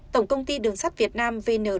tổng công ty đường sắt việt nam